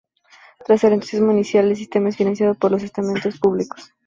Tras el entusiasmo inicial el sistema es financiado por los estamentos públicos.